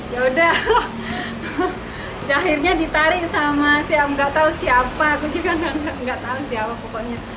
ya udah akhirnya ditarik sama siapa yang nggak tahu siapa aku juga nggak tahu siapa pokoknya